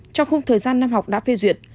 trong khung thời gian năm học đã phê duyệt